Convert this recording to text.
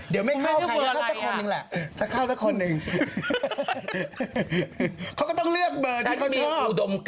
เดี๋ยวไม่เข้าใครก็เข้าสักคนหนึ่งแหละ